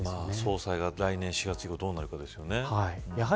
総裁が来年４月以降どうなるかということですね。